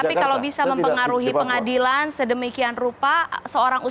tapi kalau bisa mempengaruhi pengadilan sedemikian rupa seorang usman hamid apakah itu